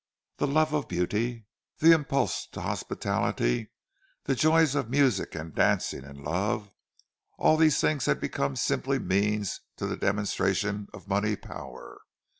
The love of beauty, the impulse to hospitality, the joys of music and dancing and love—all these things had become simply means to the demonstration of money power!